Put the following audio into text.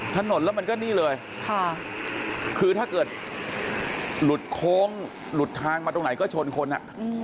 ถนนแล้วมันก็นี่เลยค่ะคือถ้าเกิดหลุดโค้งหลุดทางมาตรงไหนก็ชนคนอ่ะ